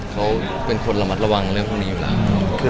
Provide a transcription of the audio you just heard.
เขาเป็นคนระมัดระวังเรื่องพวกนี้อยู่แล้ว